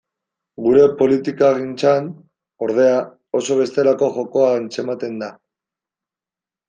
Gure politikagintzan, ordea, oso bestelako jokoa antzematen da.